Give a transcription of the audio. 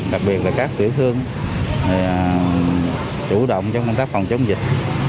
đặc biệt là các tiểu phương chủ động trong công tác phòng chống dịch